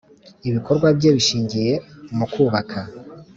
ibikorwa bye bishingiye mukubaka.